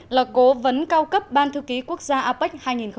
là cố vấn cao cấp ban thư ký quốc gia apec hai nghìn một mươi tám